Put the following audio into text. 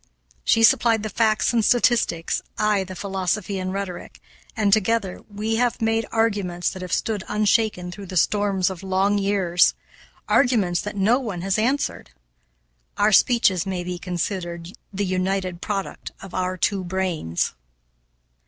She supplied the facts and statistics, I the philosophy and rhetoric, and, together, we have made arguments that have stood unshaken through the storms of long years; arguments that no one has answered. Our speeches may be considered the united product of our two brains.